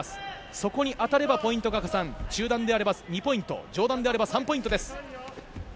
そこに当たればポイントが加算中段であれば２ポイント上段であれば３ポイントです。